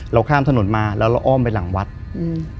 ข้ามถนนมาแล้วเราอ้อมไปหลังวัดอืม